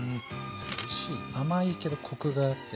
おいしい甘いけどコクがあって。